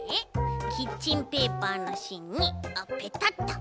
キッチンペーパーのしんにペタッと！